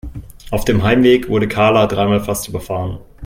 Auf dem Heimweg wurde Karla dreimal fast überfahren.